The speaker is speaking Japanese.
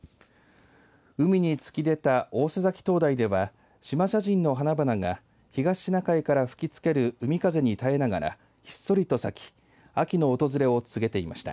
海に突き出た大瀬崎灯台ではシマシャジンの花々が東シナ海から吹きつける海風に耐えながら、ひっそりと咲き秋の訪れを告げていました。